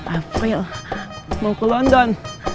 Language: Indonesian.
april mau ke london